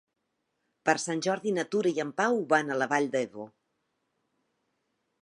Per Sant Jordi na Tura i en Pau van a la Vall d'Ebo.